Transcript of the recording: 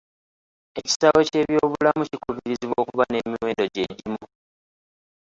Ekisaawe ky'ebyobulamu kikubirizibwa okuba n'emiwendo gye gimu.